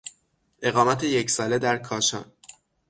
اقامت یک ساله در کاشان